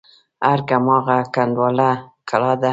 ارګ هماغه کنډواله کلا ده.